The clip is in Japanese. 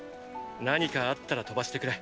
何かあったら飛ばしてくれ。